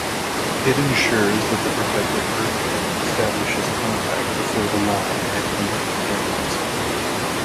It ensures that the protective-earth pin establishes contact before the line and neutral pins.